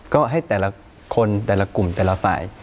ก็ให้แต่ละคนแต่ละกลุ่มแต่ละฝ่าย